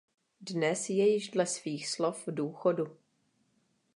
Dnes je již dle svých slov v důchodu.